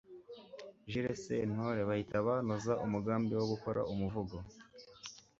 Jules Sentore bahita banoza umugambi wo gukora umuvugo.